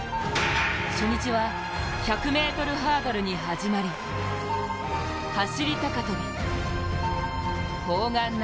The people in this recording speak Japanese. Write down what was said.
初日は１００ｍハードルに始まり走高跳、砲丸投、